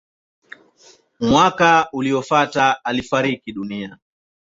Mwaka uliofuata alifariki dunia.